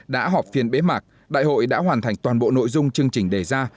đã họp phiên bế mạc đại hội đã hoàn thành toàn bộ nội dung chương trình đề ra